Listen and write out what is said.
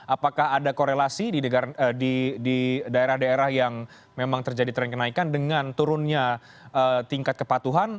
apakah ada korelasi di daerah daerah yang memang terjadi tren kenaikan dengan turunnya tingkat kepatuhan